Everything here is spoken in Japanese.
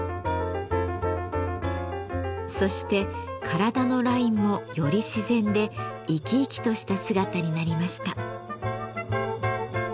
そして体のラインもより自然で生き生きとした姿になりました。